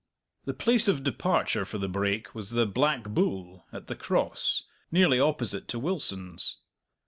The place of departure for the brake was the "Black Bull," at the Cross, nearly opposite to Wilson's.